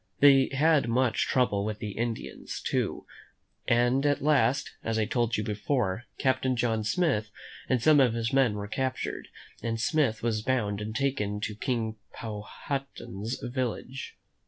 They had much trouble with the Indians, too; and at last, as I told you before, Captain John Smith and some of his men were captured, and Smith was bound and taken to King Powhatan's village.